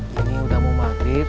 ini udah mau maghrib